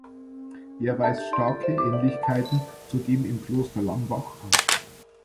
Er weist starke Ähnlichkeiten zu dem im Kloster Lambach auf.